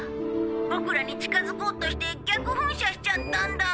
ボクらに近づこうとして逆噴射しちゃったんだ。